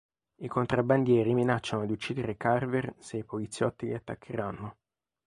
I contrabbandieri minacciano di uccidere Carver se i poliziotti li attaccheranno.